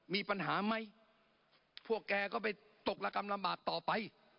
มีปัญหาไหมพวกแกก็ไปตกระกำลำบากต่อไป